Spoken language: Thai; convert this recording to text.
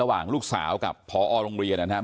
เชิงชู้สาวกับผอโรงเรียนคนนี้